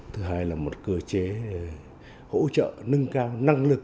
thứ hai là một cơ chế hỗ trợ nâng cao năng lực